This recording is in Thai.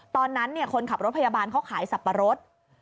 ตอนนั้นคนขับรถพยาบาลเขาขายสับปะรด